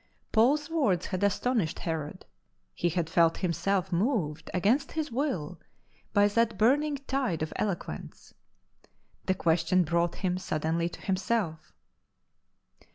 Paul's words had astonished Herod; he had felt himself moved against his will by that burning tide of eloquence. The question brought him suddenly to himself.